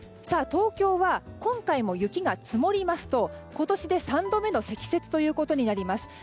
東京は、今回も雪が積もりますと今年で３度目の積雪ということになります。